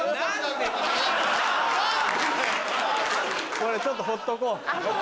これちょっとほっとこう。